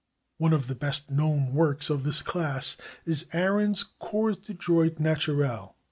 One of the best known works of this class is Ahrens' Cours de Droit Naturel.